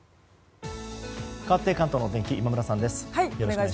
かわって関東のお天気今村さんです。